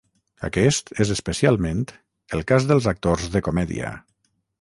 Aquest és especialment el cas dels actors de comèdia.